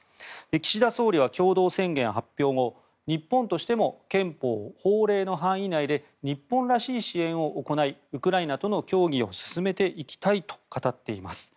岸田総理は共同宣言発表後日本としても憲法、法令の範囲内で日本らしい支援を行いウクライナとの協議を進めていきたいと語っています。